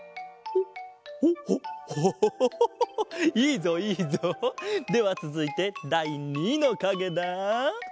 ほうほうオホホホホいいぞいいぞ！ではつづいてだい２のかげだ。